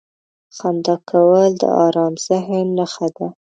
• خندا کول د ارام ذهن نښه ده.